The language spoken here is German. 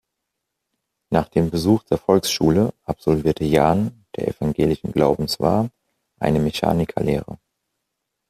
Nach dem Besuch der Volksschule absolvierte Jahn, der evangelischen Glaubens war, eine Mechanikerlehre.